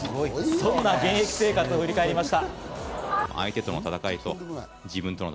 そんな現役生活を振り返りました。